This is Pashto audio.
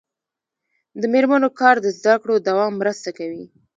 د میرمنو کار د زدکړو دوام مرسته کوي.